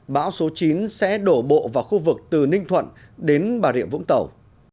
bão số chín sẽ đổ bộ vào khu vực từ ninh thuận đến bà rịa vũng tàu